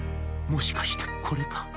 もしかしてこれか？